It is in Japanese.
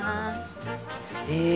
へえ！